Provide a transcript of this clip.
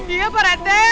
iya pak rete